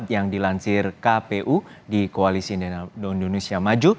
yang dilansir kpu di koalisi indonesia maju